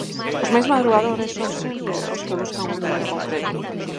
Os máis madrugadores son sempre os que buscan un número concreto.